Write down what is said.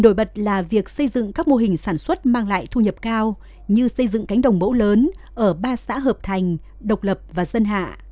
đổi bật là việc xây dựng các mô hình sản xuất mang lại thu nhập cao như xây dựng cánh đồng mẫu lớn ở ba xã hợp thành độc lập và dân hạ